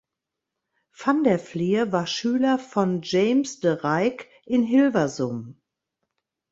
Van der Flier war Schüler von James de Rijk in Hilversum.